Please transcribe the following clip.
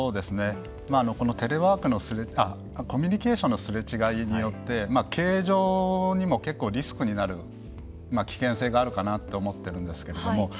このコミュニケーションのすれ違いによって経営上にも結構、リスクになる危険性があるかなって思ってるんですけれども。